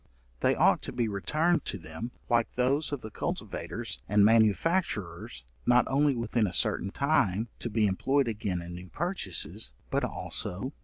They ought to be returned to them, like those of the cultivators and manufacturers, not only within a certain time, to be employed again in new purchases, but also, 1.